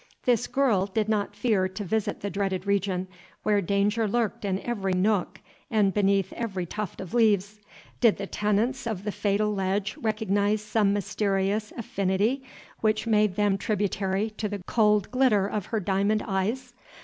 This girl did not fear to visit the dreaded region, where danger lurked in every nook and beneath every tuft of leaves. Did the tenants of the fatal ledge recognize some mysterious affinity which made them tributary to the cold glitter of her diamond eyes?